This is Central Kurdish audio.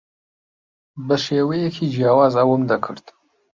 بە شێوەیەکی جیاواز ئەوەم دەکرد.